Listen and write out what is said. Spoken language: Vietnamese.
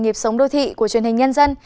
nghiệp sống đô thị của truyền hình nhân dân